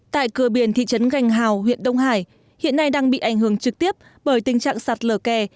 tại cửa biển thị trấn gành hào huyện đông hải hiện nay đang bị ảnh hưởng trực tiếp bởi tình trạng sạt lở kè